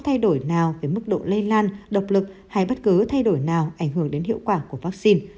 thay đổi nào với mức độ lây lan độc lực hay bất cứ thay đổi nào ảnh hưởng đến hiệu quả của vắc xin